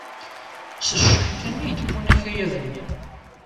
S cceḥ kan ay d-wwin akayad-nni.